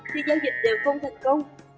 thì giao dịch đều không thành công